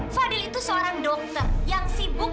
fadil itu seorang dokter yang sibuk